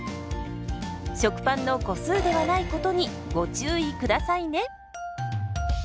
食パンの個数ではないことにご注意下さいね。